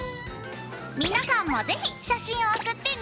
皆さんもぜひ写真を送ってね！